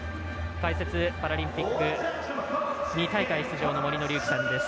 解説、パラリンピック２大会出場の森紀之さんです。